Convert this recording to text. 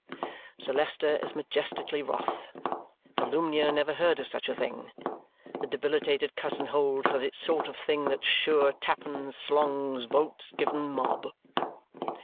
Sir Leicester is majestically wroth. Volumnia never heard of such a thing. 'The debilitated cousin holds that it's sort of thing that's sure tapn slongs votes giv'n Mob.